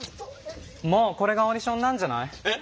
もうこれがオーディションなんじゃない？えっ！？